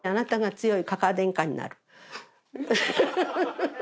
強い。